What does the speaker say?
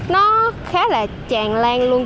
nó khá là tràn lan luôn